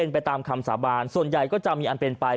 ไปตามคำสาบานส่วนใหญ่ก็จะมีอันเป็นไป